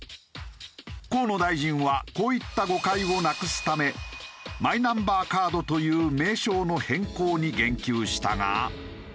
河野大臣はこういった誤解をなくすためマイナンバーカードという名称の変更に言及したが。